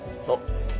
そう。